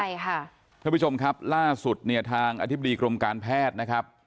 ใช่ค่ะท่านผู้ชมครับล่าสุดเนี่ยทางอธิบดีกรมการแพทย์นะครับ